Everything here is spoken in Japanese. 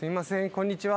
こんにちは。